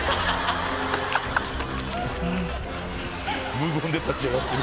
無言で立ち上がってる。